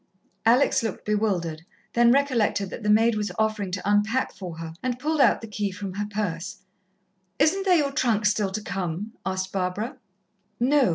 Alex looked bewildered, then recollected that the maid was offering to unpack for her, and pulled out the key from her purse. "Isn't there your trunk still to come?" asked Barbara. "No.